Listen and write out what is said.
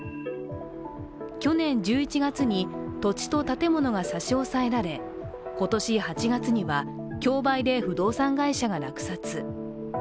去年１１月に土地と建物が差し押さえられ今年８月には、競売で不動産会社が落札。